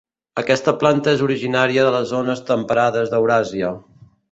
Aquesta planta és originària de les zones temperades d'Euràsia.